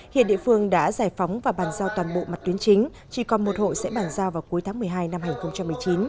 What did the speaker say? hiện địa phương đã giải phóng và bàn giao toàn bộ mặt tuyến chính chỉ còn một hộ sẽ bàn giao vào cuối tháng một mươi hai năm hai nghìn một mươi chín